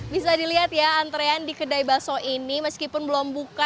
bisa dilihat ya antrean di kedai bakso ini meskipun belum buka